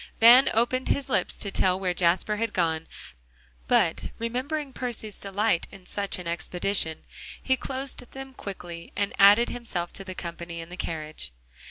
Van opened his lips to tell where Jasper had gone, but remembering Percy's delight in such an expedition, he closed them quickly, and added himself to the company in the carriage.